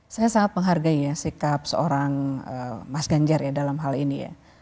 saya sangat menghargai sikap seorang mas ganjar dalam hal ini